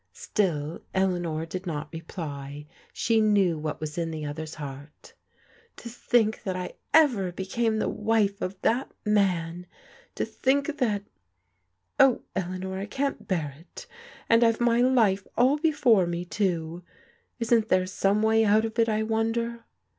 Still Eleanor did not reply. She knew what was in the other's heart. " To think that I ever became the wife of that man ! To think that Oh, Eleanor, I can't bear it! And I've my life all before me, too. Isn't there some way out of it, I wonder?